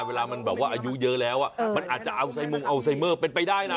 เวลามันแบบว่าอายุเยอะแล้วมันอาจจะเอาไซมงอัลไซเมอร์เป็นไปได้นะ